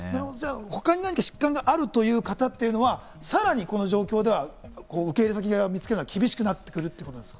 他に疾患があるという方は、さらにこの状況では受け入れ先を見つけるのは厳しくなってくるってことですか？